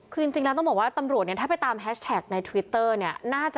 คือจริงแล้วต้องบอกว่าตำรวจเนี่ยถ้าไปตามแฮชแท็กในทวิตเตอร์เนี่ย